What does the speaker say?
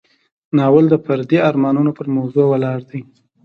ناول د فردي ارمانونو پر موضوع ولاړ دی.